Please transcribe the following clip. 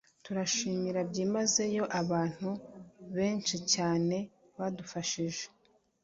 Turashimira byimazeyo abantu benshi cyane badufashije